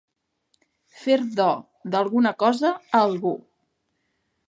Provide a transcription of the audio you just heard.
Fer do d'alguna cosa a algú.